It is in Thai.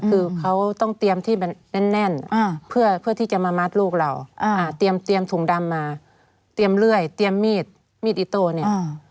คือเขาต้องเตรียมที่มันแน่นเพื่อที่จะมามัดลูกเราอ่าเตรียมถุงดำมาเตรียมเลื่อยเตรียมมีดมีดอิโต้เนี่ย